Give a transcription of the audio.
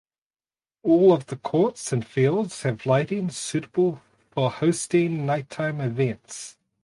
All of the courts and fields have lighting suitable for hosting night time events.